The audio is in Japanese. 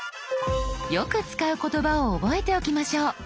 よく使う言葉を覚えておきましょう。